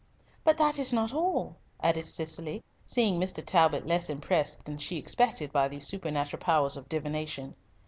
"But that is not all," added Cicely, seeing Mr. Talbot less impressed than she expected by these supernatural powers of divination.